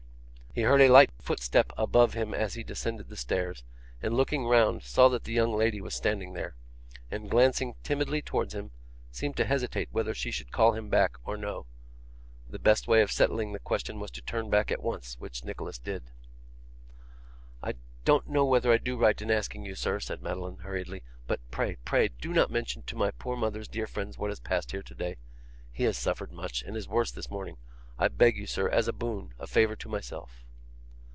He heard a light footstep above him as he descended the stairs, and looking round saw that the young lady was standing there, and glancing timidly towards him, seemed to hesitate whether she should call him back or no. The best way of settling the question was to turn back at once, which Nicholas did. 'I don't know whether I do right in asking you, sir,' said Madeline, hurriedly, 'but pray, pray, do not mention to my poor mother's dear friends what has passed here today. He has suffered much, and is worse this morning. I beg you, sir, as a boon, a favour to myself.